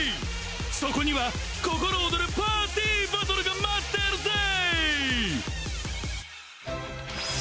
そこにはココロオドルパーティーバトルが待ってるぜー！